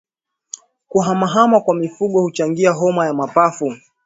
Kuhamahama kwa mifugo huchangia homa ya mapafu